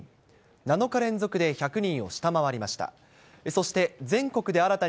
７日連続で１００人を下回りました。